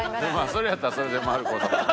それやったらそれで丸く収まる。